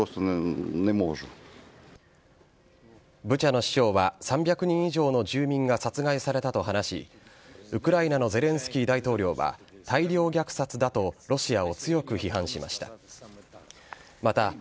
ブチャの市長は３００人以上の住民が殺害されたと話し、ウクライナのゼレンスキー大統領は、大量虐殺だとロシアを強く批判しました。